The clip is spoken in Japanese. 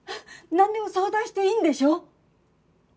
なんでも相談していいんでしょ？